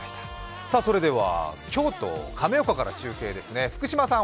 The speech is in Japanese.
それでは京都・亀岡から中継ですね、福島さん